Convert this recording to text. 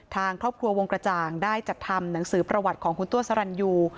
ทางครอบครัววงกระจ่างได้จัดทำหนังสือประวัติของคุณตัวสรรยู